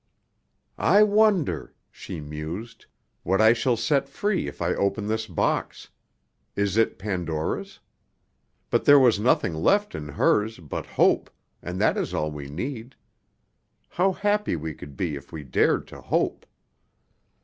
"I wonder," she mused, "what I shall set free if I open this box; is it Pandora's? But there was nothing left in hers but hope, and that is all we need. How happy we could be if we dared to hope!"